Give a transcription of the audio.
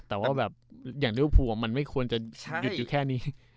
แต่ว่าแบบอย่างริวภูมันไม่ควรจะหยุดอยู่แค่นี้